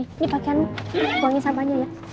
ini pakaian wangi sampahnya ya